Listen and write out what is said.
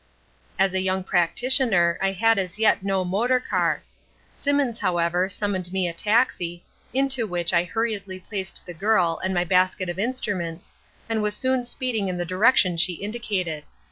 "As a young practitioner, I had as yet no motor car. Simmons, however, summoned me a taxi, into which I hurriedly placed the girl and my basket of instruments, and was soon speeding in the direction she indicated.